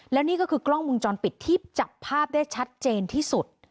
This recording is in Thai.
แล้วนี่ก็คือกล้องมุมจรปิดที่จับภาพได้ชัดเจนที่สุด